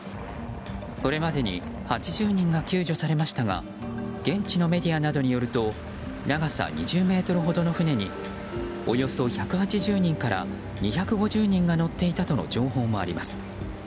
これまでに８０人が救助されましたが現地のメディアなどによると長さ２０ｍほどの船におよそ１８０人から２５０人が乗っていたとの情報もあります。